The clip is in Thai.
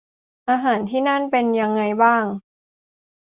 อาหารที่นั่นเป็นยังไงบ้าง